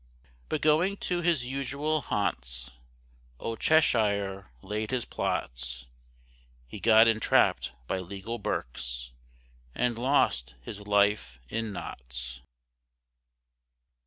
But going to his usual Hants, Old Cheshire laid his plots: He got entrapp'd by legal Berks, And lost his life in Notts.